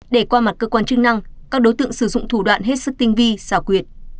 để qua mặt cơ quan chức năng các đối tượng sử dụng thủ đoạn hết sức tinh vi xảo quyệt